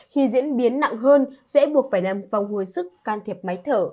khi diễn biến nặng hơn sẽ buộc phải n vòng hồi sức can thiệp máy thở